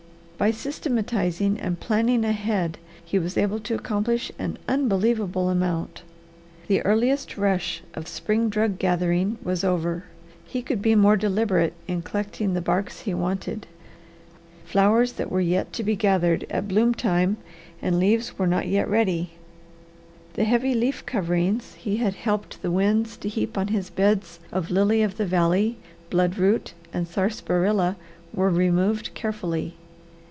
By systematizing and planning ahead he was able to accomplish an unbelievable amount. The earliest rush of spring drug gathering was over. He could be more deliberate in collecting the barks he wanted. Flowers that were to be gathered at bloom time and leaves were not yet ready. The heavy leaf coverings he had helped the winds to heap on his beds of lily of the valley, bloodroot, and sarsaparilla were removed carefully.